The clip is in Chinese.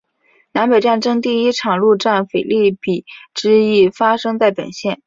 南北战争第一场陆战腓立比之役发生在本县。